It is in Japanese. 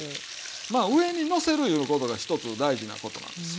まあ上にのせるいうことが一つ大事なことなんです。